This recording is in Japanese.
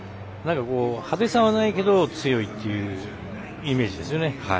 派手さはないけど、強いっていうイメージですよね。